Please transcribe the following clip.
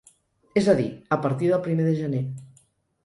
És a dir, a partir del primer de gener.